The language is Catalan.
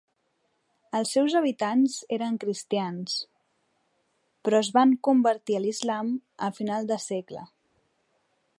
Els seus habitants eren cristians, Però es van convertir a l'islam al final del segle.